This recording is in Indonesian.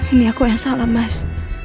ini aku yang salah mas